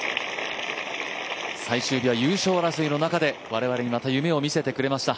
最終日は優勝争いの中で我々にまた夢を見せてくれました。